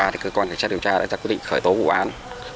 thì cơ quan cảnh sát điều tra đã ra quyết định khởi tố vụ án